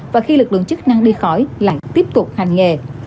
và khi lực lượng chức năng đi khỏi lại tiếp tục hành nghề